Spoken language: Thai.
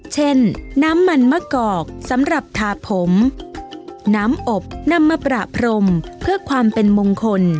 เช่นน้ำมันมะกอกสำหรับทาผมน้ำอบนำมาประพรมเพื่อความเป็นมงคล